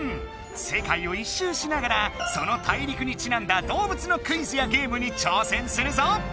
世界を一周しながらその大陸にちなんだ動物のクイズやゲームに挑戦するぞ！